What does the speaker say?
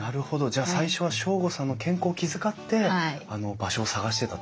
じゃあ最初は省吾さんの健康を気遣って場所を探してたと？